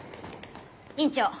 院長